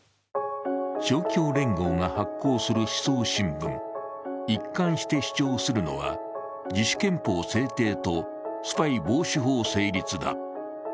勝共連合が発行する思想新聞、一貫して主張するのは自主憲法制定とスパイ防止法成立だ。